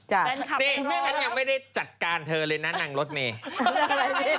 ฉันยังไม่ได้จัดการเธอเลยนะนางรถเมย์